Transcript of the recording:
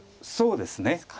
そうですね。